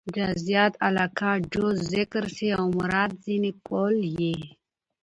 جزئيت علاقه؛ جز ذکر سي او مراد ځني کُل يي.